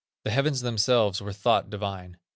The heavens themselves were thought divine.